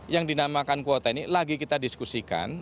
yang dinamakan kuota ini lagi kita diskusikan